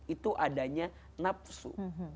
itu adanya nafsu